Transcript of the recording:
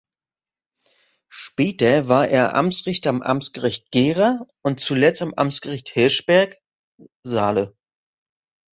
Später war er Amtsrichter am Amtsgericht Gera und zuletzt am Amtsgericht Hirschberg (Saale).